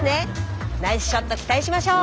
ナイスショット期待しましょう。